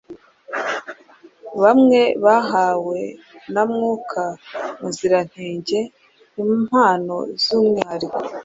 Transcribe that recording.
Bamwe bahawe na Mwuka Muziranenge impano z’umwihariko